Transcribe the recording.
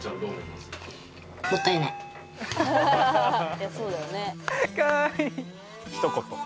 いやそうだよね。